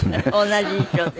同じ衣装で？